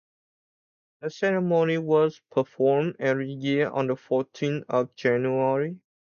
The ceremony was performed every year on the fourteenth of January.